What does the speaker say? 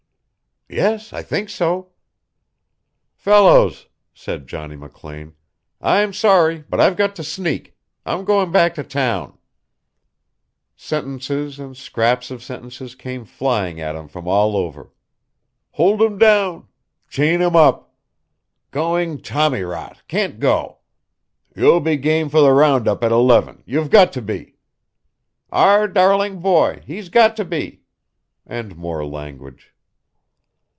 "Yes, I think so." "Fellows," said Johnny McLean, "I'm sorry, but I've got to sneak. I'm going back to town." Sentences and scraps of sentences came flying at him from all over. "Hold him down" "Chain him up" "Going tommy rot can't go!" "You'll be game for the roundup at eleven you've got to be." "Our darling boy he's got to be," and more language.